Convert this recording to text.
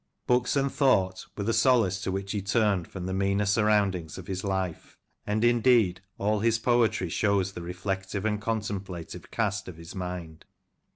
"Books and thought" were the solace to which he turned from the meaner surroundings of his life, and indeed all his poetry shows the reflective and contemplative cast of his mind.